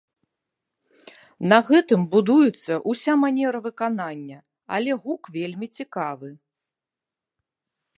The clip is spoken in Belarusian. На гэтым будуецца ўся манера выканання, але гук вельмі цікавы.